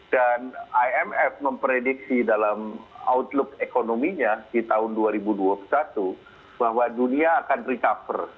dan imf memprediksi dalam outlook ekonominya di tahun dua ribu dua puluh satu bahwa dunia akan recover